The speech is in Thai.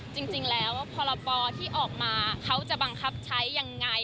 จริงแล้วพรปที่ออกมาเขาจะบังคับใช้ยังไง